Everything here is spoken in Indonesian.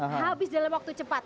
habis dalam waktu cepat